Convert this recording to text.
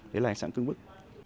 đấy là ánh sáng cứng bức